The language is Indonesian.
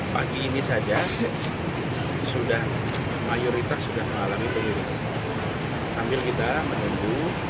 pada minggu siang